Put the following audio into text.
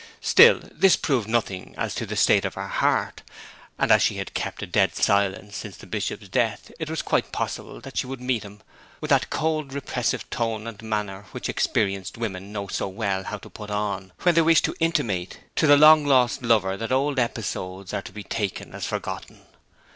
Still, this proved nothing as to the state of her heart, and as she had kept a dead silence since the Bishop's death it was quite possible that she would meet him with that cold repressive tone and manner which experienced women know so well how to put on when they wish to intimate to the long lost lover that old episodes are to be taken as forgotten.